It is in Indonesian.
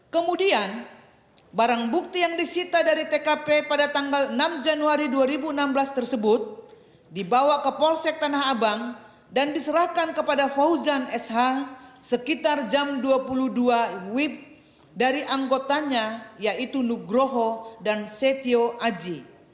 kemudian barang bukti yang disita dari tkp pada tanggal enam januari dua ribu enam belas tersebut dibawa ke polsek tanah abang dan diserahkan kepada fauzan sh sekitar jam dua puluh dua wib dari anggotanya yaitu nugroho dan setio aji